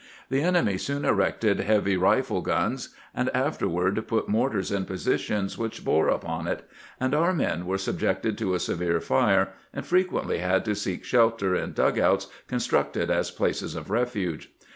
The enemy soon erected heavy rifle guns, and after ward put mortars in positions which bore upon it ; and our men were subjected to a severe fire, and frequently had to seek shelter in " dugouts " constructed as places of refuge.